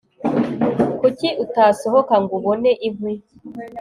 kuki utasohoka ngo ubone inkwi